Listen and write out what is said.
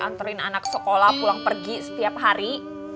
antarin anak sekolah pulang pergi setiap hari